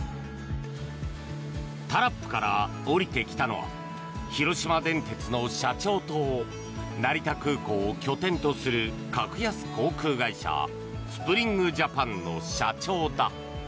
タラップから降りてきたのは広島電鉄の社長と成田空港を拠点とする格安航空会社スプリング・ジャパンの社長だ。